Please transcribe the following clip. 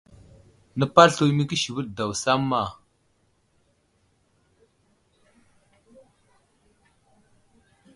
Nepaɗ slu i məkisiwid daw samma.